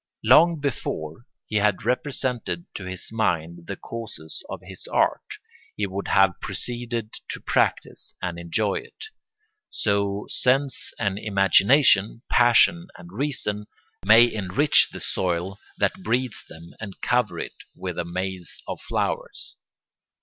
Long before he had represented to his mind the causes of his art, he would have proceeded to practise and enjoy it. So sense and imagination, passion and reason, may enrich the soil that breeds them and cover it with a maze of flowers.